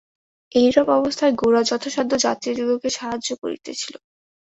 এইরূপ অবস্থায় গোরা যথাসাধ্য যাত্রীদিগকে সাহায্য করিতেছিল।